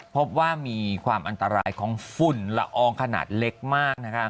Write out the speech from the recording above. พบว่ามีความอันตรายของฝุ่นละอองขนาดเล็กมาก